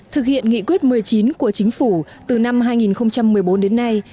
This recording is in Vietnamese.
thực hiện nghị quyết một mươi chín của chính phủ từ năm hai nghìn một mươi bốn đến nay